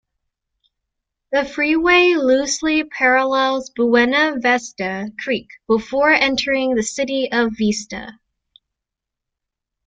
The freeway loosely parallels Buena Vista Creek before entering the city of Vista.